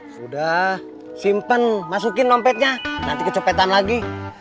sudah simpen masukin dompetnya nanti kecopetan lagi